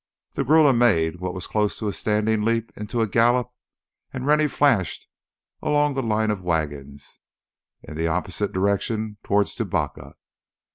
The grulla made what was close to a standing leap into a gallop and Rennie flashed along the line of wagons in the opposite direction toward Tubacca.